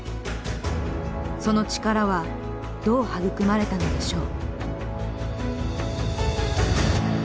その力はどう育まれたのでしょう。